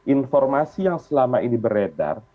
informasi yang selama ini beredar